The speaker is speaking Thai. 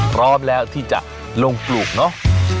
พร้อมแล้วที่จะลงปลูกเนาะ